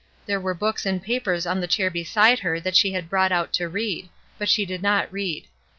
There were books and papers on the chau* beside her that she had brought out to read; but she did not read.